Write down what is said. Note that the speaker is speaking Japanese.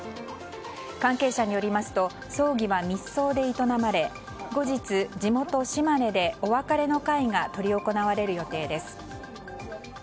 関係者によりますと葬儀は密葬で営まれ後日、地元・島根でお別れの会が執り行われる予定です。